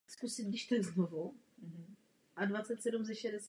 Jedná se o horský chodník s řetězy a žebříky v poslední třetině výstupu.